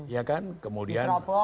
iya kan kemudian